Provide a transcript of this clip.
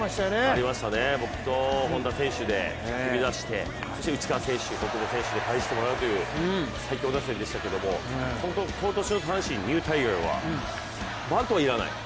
ありましたね、僕と本多選手で踏み出して内川選手、小久保選手でかえしてもらうという今年の阪神、ニュータイガーはバントはいらない。